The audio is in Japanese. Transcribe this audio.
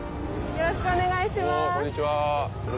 よろしくお願いします。